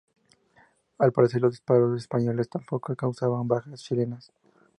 Al parecer, los disparos españoles tampoco causaron bajas chilenas.